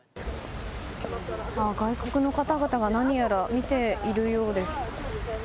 外国の方々が何やら見ているようです。